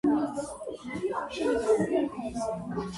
თბილისში გამოჭედილი საჭურველი მსოფლიო ბაზარზე მაღალ შეფასებას იმსახურებდა.